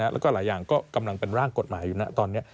แล้วก็หลายอย่างก็กำลังเป็นร่างกฎหมายอยู่นะตอนนี้